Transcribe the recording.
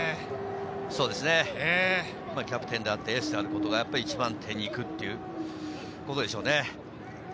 そうですね、キャプテンであって、エースであるってことが１番手に行くっていうことでしょうね。